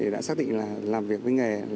đã xác định là làm việc với nghề